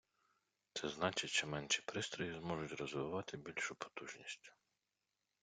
Це значить, що менші пристрої зможуть розвивати більшу потужність.